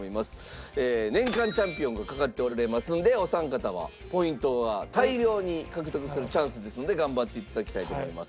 年間チャンピオンがかかっておられますんでお三方はポイントは大量に獲得するチャンスですので頑張って頂きたいと思います。